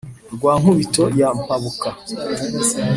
Rwa Nkubito ya Mpabuka